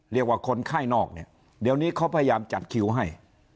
เรียกว่าคนไข้นอกเนี่ยเดี๋ยวนี้เขาพยายามจัดคิวให้